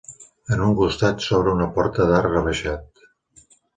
En un costat s'obre una porta d'arc rebaixat.